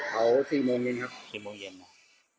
เผา๔โมงเย็นครับ